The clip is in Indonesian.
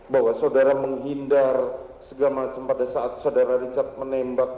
bahwa saudara menghindar segala macam pada saat saudara richard menembak